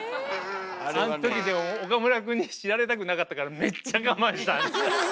あんときでも岡村くんに知られたくなかったからめっちゃ我慢した。